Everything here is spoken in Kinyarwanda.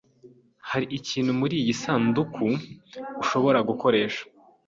Hari ikintu muriyi sanduku ushobora gukoresha?